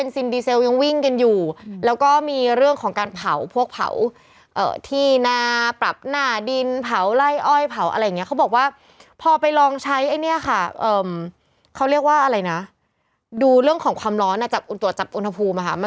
จริงจังเรื่องนี้มากขึ้นแต่บ้านเราเนี่ยมันยังมีปัญหาเรื่องอ่ะนิคมอุตสาหกรรม